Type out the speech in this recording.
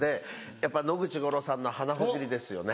やっぱ野口五郎さんの鼻ほじりですよね。